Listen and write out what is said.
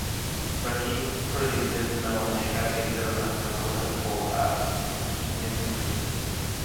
Rakim produced "No Omega" based on a sample that Paul had given him.